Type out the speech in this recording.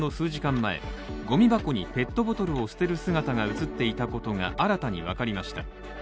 前ごみ箱にペットボトルを捨てる姿が映っていたことが新たに分かりました。